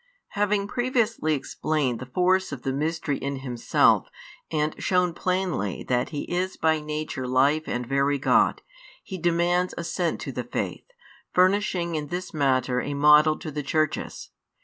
Having previously explained the force of the mystery in Himself, and shown plainly that He is by Nature Life and Very God, He demands assent to the faith, furnishing in this matter a model to the Churches.